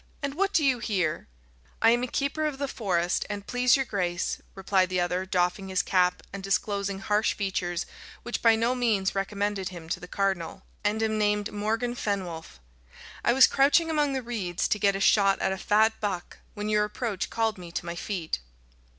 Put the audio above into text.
and what do you here?" I am a keeper of the forest, an't please your grace, replied the other, doffing his cap, and disclosing harsh features which by no means recommended him to the cardinal, "and am named Morgan Fenwolf. I was crouching among the reeds to get a shot at a fat buck, when your approach called me to my feet."